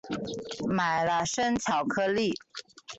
买了生巧克力